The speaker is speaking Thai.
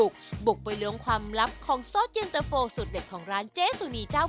ขอบุกเข้าไปดูในครัวเลยได้ไหม